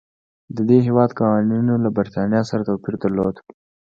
د دې هېواد قوانینو له برېټانیا سره توپیر درلود.